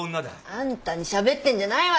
あんたにしゃべってんじゃないわよ。